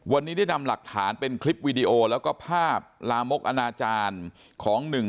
วันนี้ได้นำหลักฐานเป็นคลิปวีดีโอแล้วก็ภาพลามกอนาจารย์ของหนึ่ง